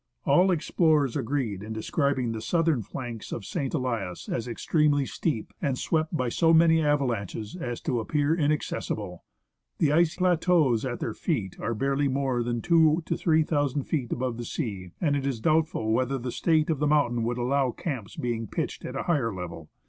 All explorers agree in describing the southern flanks of St. Elias as extremely steep, and swept by so many avalanches as to appear inaccessible. The ice plateaux at their feet are barely more than 2,000 to 3,000 feet above the sea, and it is doubtful whether the state of the mountain would allow of camps being pitched at a higher level.